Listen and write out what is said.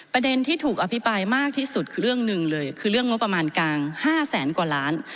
ประเด็นที่ถูกอภิปรายมากที่สุดคือเรื่องหนึ่งเลยคือเรื่องงบประมาณกลาง๕แสนกว่าล้าน